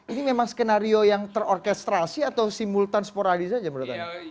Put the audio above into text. ini memang skenario yang terorkestrasi atau simultan sporadis saja menurut anda